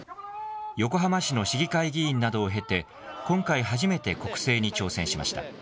横浜市の市議会議員などを経て、今回、初めて国政に挑戦しました。